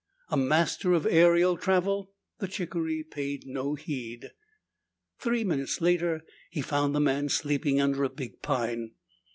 A master of aerial travel, the chickaree paid no heed. Three minutes later he found the man sleeping under a big pine.